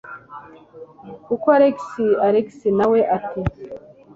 koko alex alex nawe ati